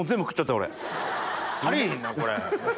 足りひんなこれ。